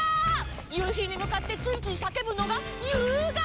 ゆうひにむかってついついさけぶのがゆうがた！